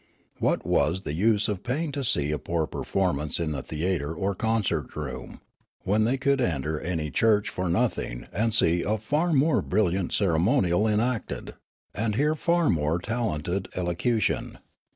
What was the use of paying to see a poor performance in the theatre or concert room, when they could enter any church for nothing and see a far more brilliant ceremonial enacted, and hear far more talented elo cution